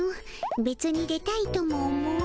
べつに出たいとも思わぬの。